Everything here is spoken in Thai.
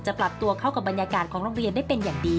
ปรับตัวเข้ากับบรรยากาศของโรงเรียนได้เป็นอย่างดี